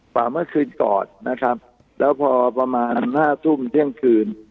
เมื่อคืนก่อนนะครับแล้วพอประมาณห้าทุ่มเที่ยงคืน